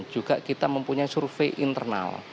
juga kita mempunyai survei internal